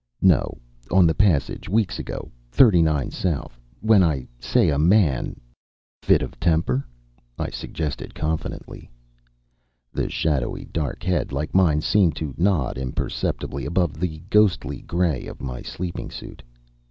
"No, on the passage. Weeks ago. Thirty nine south. When I say a man " "Fit of temper," I suggested, confidently. The shadowy, dark head, like mine, seemed to nod imperceptibly above the ghostly gray of my sleeping suit.